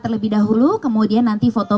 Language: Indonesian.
terlebih dahulu kemudian nanti foto